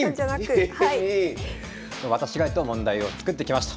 私が問題を作ってきました。